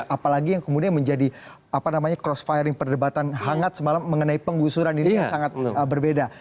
apalagi yang kemudian menjadi apa namanya cross firing perdebatan hangat semalam mengenai penggusuran ini yang sangat berbeda